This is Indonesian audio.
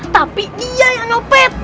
tapi dia yang nyopet